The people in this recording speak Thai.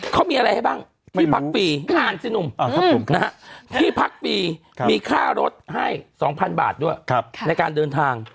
เขามีอะไรให้บ้างที่พักฟรีงานสิหนุ่มที่พักฟรีมีค่ารถให้๒๐๐๐บาทด้วยในการเดินทาง